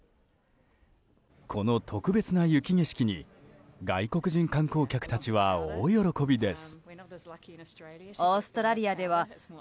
この特別な雪景色に外国人観光客たちは大喜びです。